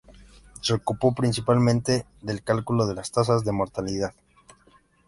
Se ocupó principalmente del cálculo de las tasas de mortalidad.